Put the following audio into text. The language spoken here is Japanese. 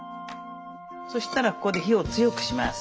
そしたらここで火を強くします。